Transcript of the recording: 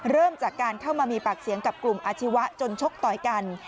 เริ่มจากการเข้ามามีปากเสียงกับกลุ่มอาชีวะจนชกต่อยกัน